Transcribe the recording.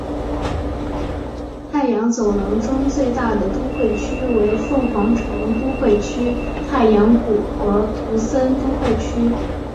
太阳走廊中最大的都会区为凤凰城都会区太阳谷和图森都会区。